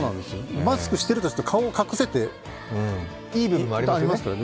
マスクをしていると顔を隠せていい部分もありますからね。